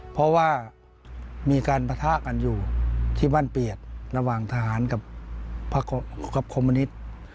เพราะว่ามีการปะทะกันอยู่ที่บ้านเปียกระหว่างทหารกับคมมณิต